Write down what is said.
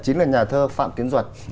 chính là nhà thơ phạm tiến duật